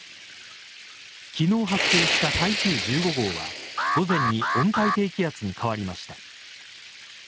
昨日発生した台風１５号は午前に温帯低気圧に変わりました。